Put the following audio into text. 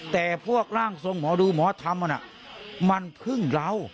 แต่พวกร่างทรงหมอดูหมอธรรมมันพึ่งเรา